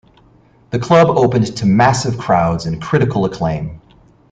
The club opened to massive crowds and critical acclaim.